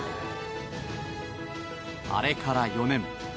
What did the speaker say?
あれから４年。